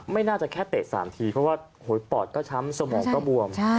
ไม่น่าจะแค่เตะ๓ทีเพราะว่าปอดก็ช้ำสมองก็บวม